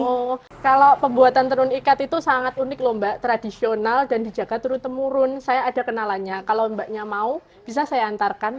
oh kalau pembuatan tenun ikat itu sangat unik lho mbak tradisional dan dijaga turun temurun saya ada kenalannya kalau mbaknya mau bisa saya antarkan